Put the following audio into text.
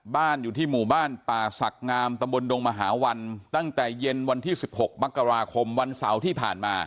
บ้านอยู่ที่หมู่บ้านป่าศักดิ์งามตำบลดงมหาวันตั้งแต่เย็นวันที่๑๖มกราคมวันเสาร์ที่ผ่านมา